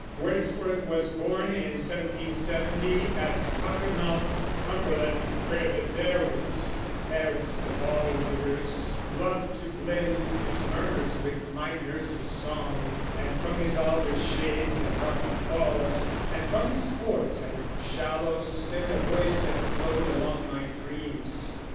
Wordsworth was born in 1770 at Cockermouth, Cumberland, where the Derwent, Fairest of all rivers, loved To blend his murmurs with my nurse's song, And from his alder shades and rocky falls, And from his fords and shallows, sent a voice That flowed along my dreams.